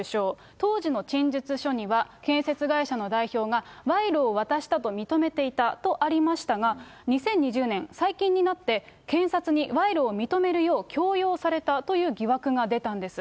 当時の陳述書には、建設会社の代表が賄賂を渡したと認めていたとありましたが、２０２０年、最近になって検察に賄賂を認めるよう強要されたという疑惑が出たんです。